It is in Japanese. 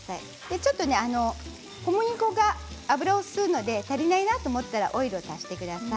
ちょっと小麦粉が油を吸うので足りないなと思ったらオイルを足してください。